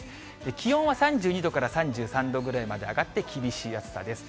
気温は３２度から３３度ぐらいまで上がって、厳しい暑さです。